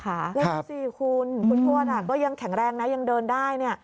แล้วดูสิคุณคุณทวดก็ยังแข็งแรงนะยังเดินได้